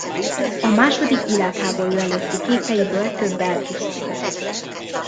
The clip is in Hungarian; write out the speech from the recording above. A második világháború előtti képeiből több elpusztult.